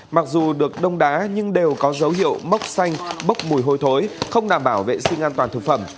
mặc dù được đông đá nhưng đều có dấu hiệu mốc xanh bốc mùi hôi thối không đảm bảo vệ sinh an toàn thực phẩm